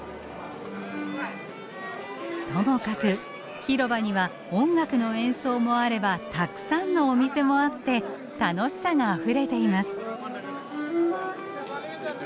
ともかく広場には音楽の演奏もあればたくさんのお店もあって楽しさがあふれています。